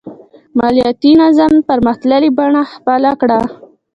مالیاتي نظام پرمختللې بڼه خپله کړه.